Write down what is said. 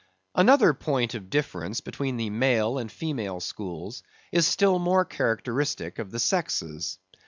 Another point of difference between the male and female schools is still more characteristic of the sexes.